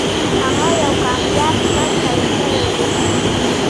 هغه یو کامیاب ژوند پیل کړی دی